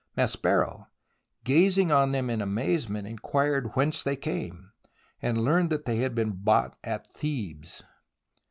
Maspero, gazing on them in amaze ment, inquired whence they came, and learned that they had been bought at Thebes.